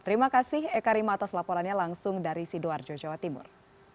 terima kasih eka rima atas laporannya langsung dari sidoarjo jawa timur